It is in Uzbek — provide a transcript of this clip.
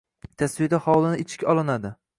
Tasvirda hovlini ichi olinadi.